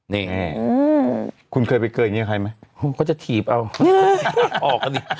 เนี่ยอืมคุณเกิดไปเกยอย่างเนี้ยใครไม่ก็จะถีบเอาอียาออกกันดิ